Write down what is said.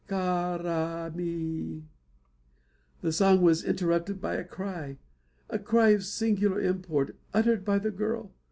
Ca ra mi " The song was interrupted by a cry a cry of singular import uttered by the girl.